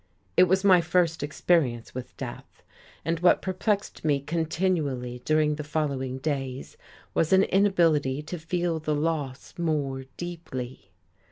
It was my first experience with death, and what perplexed me continually during the following days was an inability to feel the loss more deeply.